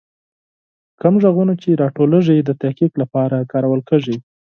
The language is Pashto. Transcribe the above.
کوم غږونه چې راټولیږي، د تحقیق لپاره کارول کیږي.